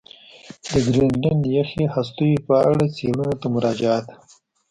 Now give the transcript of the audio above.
د ګرینلنډ یخي هستو په اړه څېړنو ته مراجعه ده.